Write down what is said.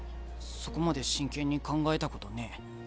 そこまで真剣に考えたことねえ。